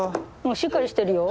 しっかりしてるよ。